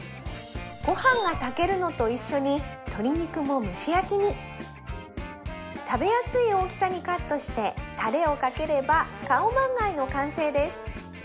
ごはんが炊けるのと一緒に鶏肉も蒸し焼きに食べやすい大きさにカットしてタレをかければカオマンガイの完成です